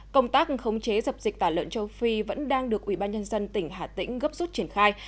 công tác khống chế dập dịch tả lợn châu phi vẫn đang được ubnd tỉnh hà tĩnh gấp rút triển khai